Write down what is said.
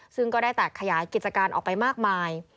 ซึ่งก็ได้แตกขยายกิจการออกไปมากมาย